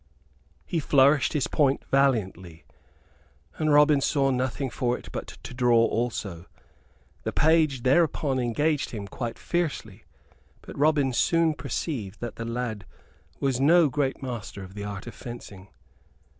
He flourished his point valiantly; and Robin saw nothing for it but to draw also. The page thereupon engaged him quite fiercely; but Robin soon perceived that the lad was no great master of the art of fencing.